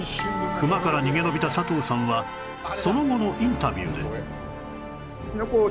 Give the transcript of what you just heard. クマから逃げ延びた佐藤さんはその後のインタビューで